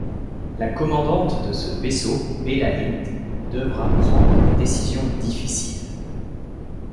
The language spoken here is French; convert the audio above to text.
La commandante de ce vaisseau, Bella Lind, devra prendre des décisions difficiles...